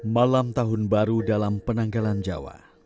malam tahun baru dalam penanggalan jawa